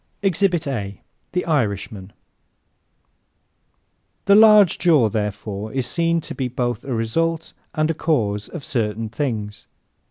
Exhibit A The Irishman ¶ The large jaw, therefore, is seen to be both a result and a cause of certain things.